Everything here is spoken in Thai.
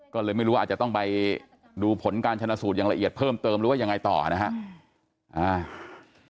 ก็เลยไม่รู้ว่าอาจจะต้องไปดูผลการชนะสูตรอย่างละเอียดเพิ่มเติมหรือว่ายังไงต่อนะครับ